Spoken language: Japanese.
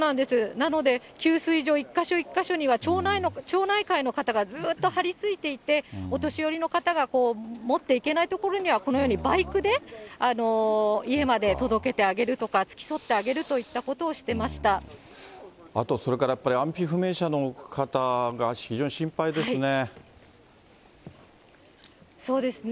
なので、給水所一か所一か所には、町内会の方がずっと張りついていて、お年寄りの方が持っていけない所には、このようにバイクで家まで届けてあげるとか、付き添ってあげるとあとそれからやっぱり、安否不明者の方が非常に心配ですね。